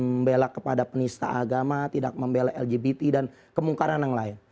membela kepada penista agama tidak membela lgbt dan kemungkaran yang lain